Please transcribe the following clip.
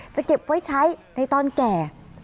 จะเก็บไว้ใช้ในตอนแก่